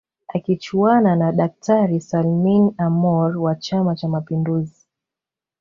Akichuana na daktari Salmin Amour wa chama cha mapinduzi